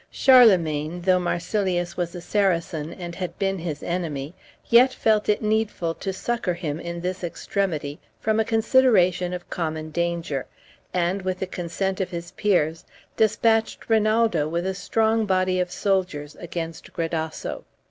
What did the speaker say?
Charlemagne, though Marsilius was a Saracen, and had been his enemy, yet felt it needful to succor him in this extremity from a consideration of common danger, and, with the consent of his peers, despatched Rinaldo with a strong body of soldiers against Gradasso.